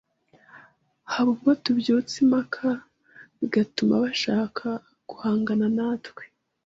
haba ubwo tubyutsa impaka bigatuma bashaka guhangana natwe,